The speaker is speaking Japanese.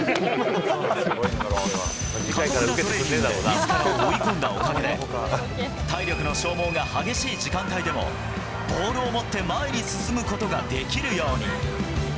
過酷なトレーニングでみずからを追い込んだおかげで、体力の消耗が激しい時間帯でも、ボールを持って前に進むことができるように。